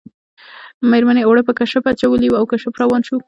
میرمنې اوړه په کشپ اچولي وو او کشپ روان شو